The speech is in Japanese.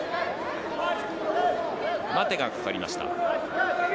待てがかかりました。